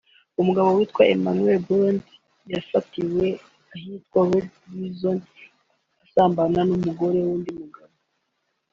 umugabo witwa Emmanuel Benedict yafatiwe ahitwa Blue Roze asambana n’umugore w’undi mugabo